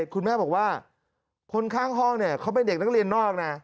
คุณแม่บอกว่าคนข้างห้องเนี่ยเขาเป็นเด็กนักเรียนนอกนะ